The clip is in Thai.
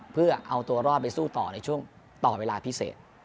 เพื่อเอาตัวรอดไปสู้ต่อในช่วงต่อเวลาพิเศษ